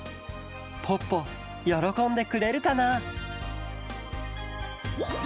ポッポよろこんでくれるかな？